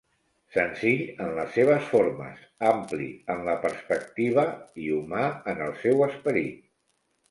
Senzill en les seves formes, ampli en la perspectiva i humà en el seu esperit.